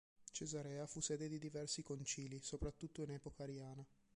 Cesarea fu sede di diversi concili, soprattutto in epoca ariana.